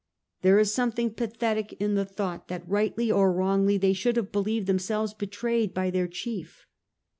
There is something pathetic in the thought that rightly or wrongly they should have believed themselves betrayed by their chief.